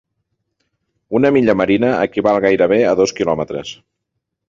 Una milla marina equival gairebé a dos quilòmetres.